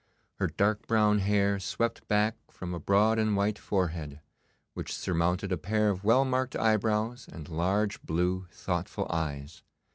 Her dark brown hair swept back from a broad and white forehead, which surmounted a pair of well marked eyebrows and large blue thoughtful eyes.